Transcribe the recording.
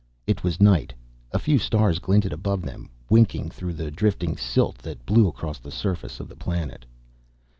It was night. A few stars glinted above them, winking through the drifting silt that blew across the surface of the planet.